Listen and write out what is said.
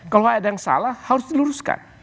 kalau ada yang salah harus diluruskan